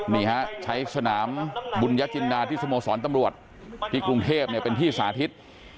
นี่ฮะใช้สนามบุญญจินดาที่สโมสรตำรวจที่กรุงเทพเป็นที่สาธิต